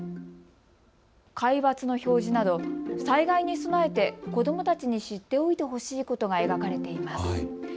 海抜の表示など災害に備えて子どもたちに知っておいてほしいことが描かれています。